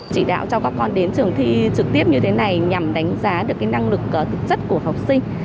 chỉ đạo cho các con đến trường thi trực tiếp như thế này nhằm đánh giá được năng lực thực chất của học sinh